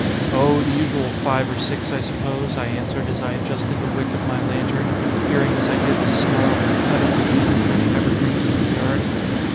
"Oh, the usual five or six I suppose," I answered as I adjusted the wick of my lantern, hearing as I did the snarl and cut of the wind through the evergreens in the yard.